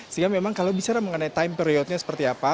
sehingga memang kalau bicara mengenai time periodnya seperti apa